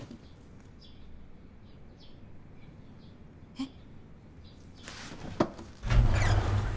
えっ？